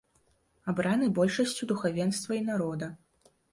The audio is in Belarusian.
Абраны большасцю духавенства і народа.